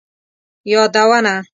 یادونه: